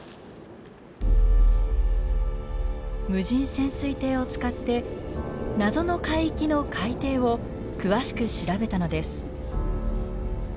無人潜水艇を使って謎の海域の海底を詳しく調べたのです。